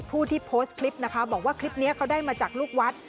ผู้ที่โพสต์คลิปนะคะบอกว่าคลิปนี้เขาได้มาจากลูกวัด